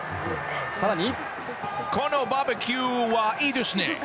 更に。